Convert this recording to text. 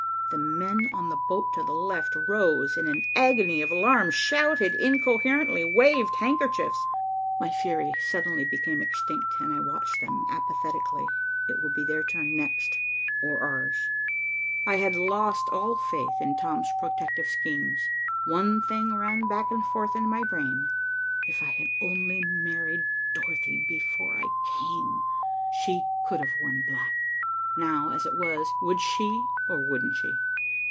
The men on the boat to the left rose in an agony of alarm, shouted incoherently, waved handkerchiefs. My fury suddenly became extinct, and I watched them apathetically. It would be their turn next, or ours. I had lost all faith in Tom's protective schemes. One thing ran back and forth in my brain. "If I had only married Dorothy before I came, she could have worn black. Now, as it was, would she or wouldn't she?"